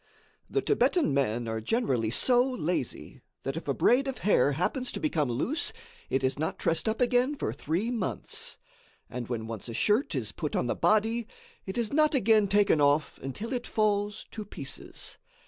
The Thibetan men are generally so lazy, that if a braid of hair happens to become loose, it is not tressed up again for three months, and when once a shirt is put on the body, it is not again taken off until it falls to pieces.